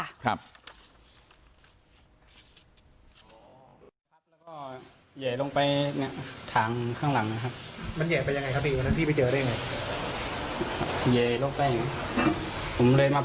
ระเบียนดีกว่าเราบวกหนึ่งซักสองจุดวันนี้เลยนะครับ